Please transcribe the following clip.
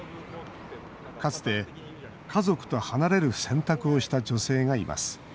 かつて、家族と離れる選択をした女性がいます。